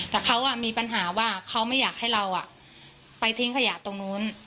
แต่เขามีปัญหาว่าเขาไม่อยากให้เราไปทิ้งขยะตรงนู้น